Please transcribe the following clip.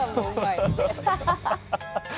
ハハハッ！